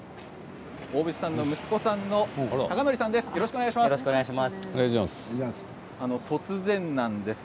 大渕さんの息子さんの峰昇さんです。